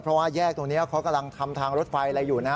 เพราะว่าแยกตรงนี้เขากำลังทำทางรถไฟอะไรอยู่นะฮะ